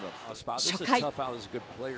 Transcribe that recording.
初回。